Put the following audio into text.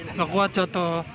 enggak kuat jatuh